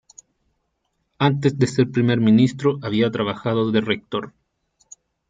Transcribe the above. Antes de ser primer ministro había trabajado de rector.